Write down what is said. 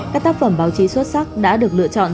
các tác phẩm báo chí xuất sắc đã được lựa chọn